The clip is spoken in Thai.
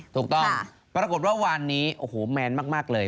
ถูกต้องปรากฏว่าวันนี้โอ้โหแมนมากเลย